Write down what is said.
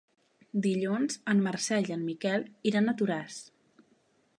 Dilluns en Marcel i en Miquel iran a Toràs.